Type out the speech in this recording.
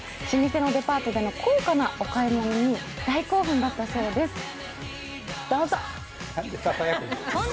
老舗のデパートでの高価なお買い物に大興奮だったそうです。